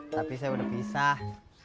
tapi saya udah pisah